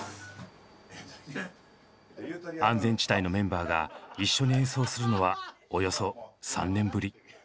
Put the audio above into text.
安全地帯のメンバーが一緒に演奏するのはおよそ３年ぶり。